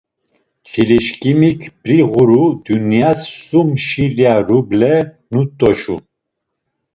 Çilişǩimik, p̌ri ğuru Dunyas sum şilya ruble nut̆oçu.